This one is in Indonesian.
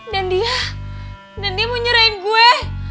dan dia dan dia mau nyerahin gue